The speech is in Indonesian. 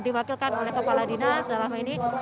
diwakilkan oleh kepala dinas dalam ini